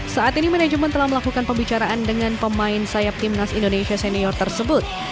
saat ini manajemen telah melakukan pembicaraan dengan pemain sayap timnas indonesia senior tersebut